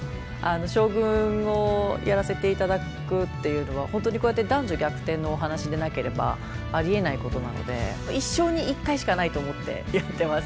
将軍をやらせて頂くっていうのは本当にこうやって男女逆転のお話でなければありえないことなので一生に一回しかないと思ってやってます。